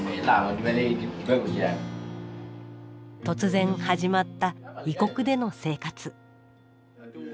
突然始まった異国での生活。